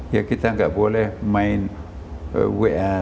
ya kita nggak boleh main wa